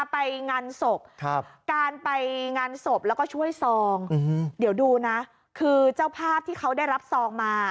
ไปงานศพการไปงานศพแล้วก็ช่วยซองเดี๋ยวดูนะคือเจ้าภาพที่เขาได้รับซองมา